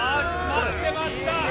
まってました！